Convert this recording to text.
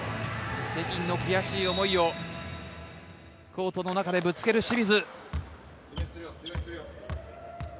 北京の悔しい思いを東京でぶつける清水。